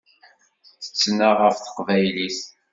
Tettnaɣ ɣef teqbaylit.